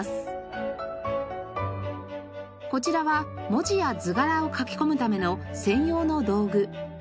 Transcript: こちらは文字や図柄を描き込むための専用の道具。